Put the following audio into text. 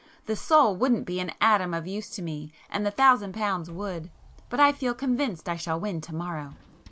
The soul wouldn't be an atom of use to me and the thousand pounds would. But I feel convinced I shall win to morrow!"